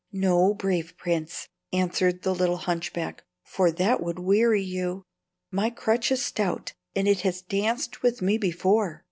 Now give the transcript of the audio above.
"No, brave prince," answered the little hunchback, "for that would weary you. My crutch is stout, and it has danced with me before.